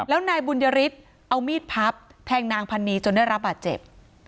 แล้วนายบุญยฤทธิ์เอามีดพับแทงนางพันนีจนได้รับบาดเจ็บ